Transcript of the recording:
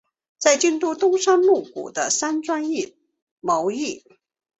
在京都东山鹿谷的山庄谋议。